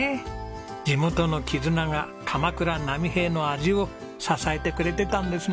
地元の絆が鎌倉波平の味を支えてくれてたんですね。